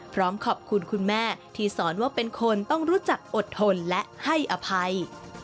พร้อมขอบคุณคุณแม่ที่สอนว่าเป็นคนต้องรู้จักอดทนและให้อภัย